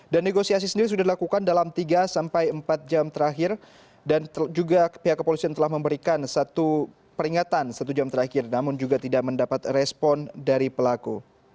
dan negosiasi sendiri sudah dilakukan dalam tiga sampai empat jam terakhir dan juga pihak kepolisian telah memberikan satu peringatan satu jam terakhir namun juga tidak mendapat respon dari pelaku